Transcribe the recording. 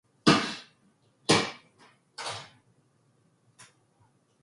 그렇지만 항상 틀리던 맞춤법을 좀 더 배울 수 있다는 게 장점이라고 봐요.